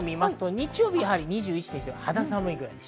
日曜日は２１．１度、肌寒いです。